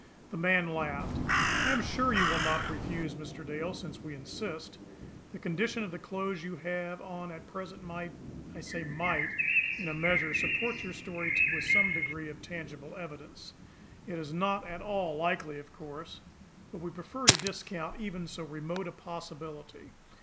The man laughed. "I am sure you will not refuse, Mr. Dale since we insist. The condition of the clothes you have on at present might I say 'might' in a measure support your story with some degree of tangible evidence. It is not at all likely, of course; but we prefer to discount even so remote a possibility.